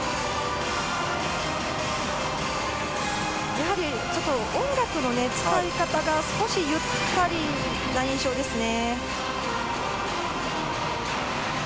やはり音楽の使い方が少しゆったりな印象ですね。